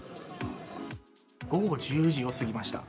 午後１０時を過ぎました。